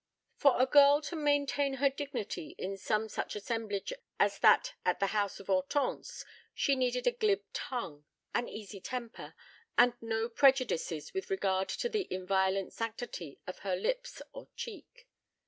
IX For a girl to maintain her dignity in some such assemblage as that at the house of Hortense, she needed a glib tongue, an easy temper, and no prejudices with regard to the inviolate sanctity of her lips or cheek.